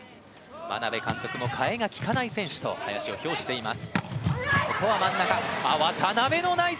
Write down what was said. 眞鍋監督も代えが利かない選手と林を評しています。